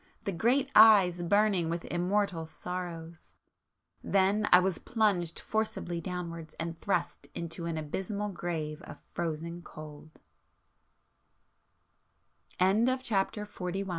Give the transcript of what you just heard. the great eyes burning with immortal sorrows! ... then, I was plunged forcibly downwards and thrust into an abysmal grave of frozen col